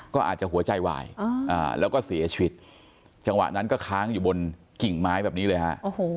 ก็อาจจะหัวใจวายแล้วก็เสียชีวิตจังหวะนั้นก็ค้างอยู่บนกิ่งไม้แบบนี้เลยฮะ